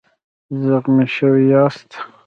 زخمي شوی یاست؟